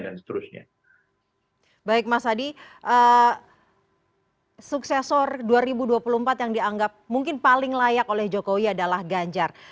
baik mas adi suksesor dua ribu dua puluh empat yang dianggap mungkin paling layak oleh jokowi adalah ganjar